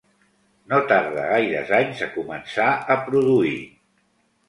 No tarda gaires anys a començar a produir.